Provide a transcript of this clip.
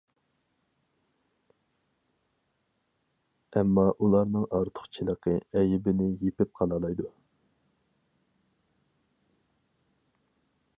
ئەمما ئۇلارنىڭ ئارتۇقچىلىقى ئەيىبىنى يېپىپ قالالايدۇ.